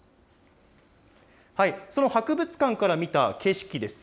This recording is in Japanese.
その博物館から見た景色です。